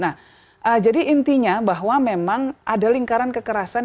nah jadi intinya bahwa memang ada lingkaran kekerasan